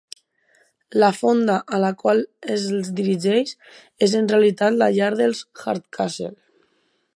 La "fonda" a la qual els dirigeix és en realitat la llar dels Hardcastles.